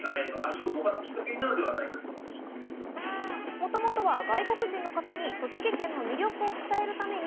もともとは外国人の方に栃木県の魅力を伝えるために